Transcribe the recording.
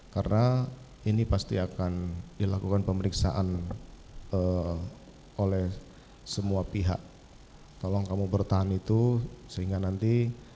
karena ini pasti akan dilakukan pemeriksaan oleh semua pihak tolong kamu bertahan itu sehingga nanti